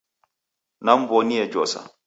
Namw'onie josa